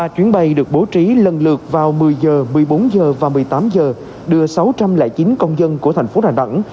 ba chuyến bay được bố trí lần lượt vào một mươi h một mươi bốn h và một mươi tám h đưa sáu trăm linh chín công dân của thành phố đà nẵng